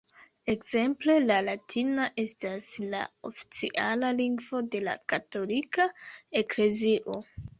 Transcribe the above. Ekzemple la latina estas la oficiala lingvo de la katolika eklezio.